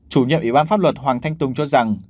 chủ nhiệm ủy ban pháp luật hoàng thanh tùng cho rằng